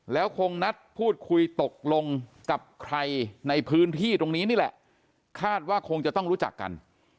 แล้วคงนัดพูดคุยตกลงกับใครในพื้นที่ตรงนี้นี่แหละคาดว่าคงจะต้องรู้จักกัน